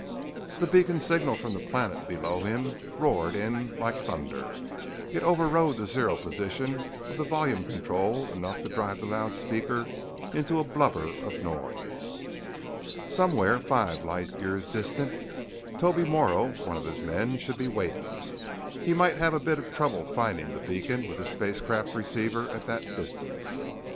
The beacon signal from the planet below him roared in like thunder. It overrode the 'zero' position of the volume control enough to drive the loudspeaker into a blubber of noise. Somewhere five light years distant, Toby Morrow, one of his men, should be waiting. He might have a bit of trouble finding the beacon with his spacecraft receiver at that distance.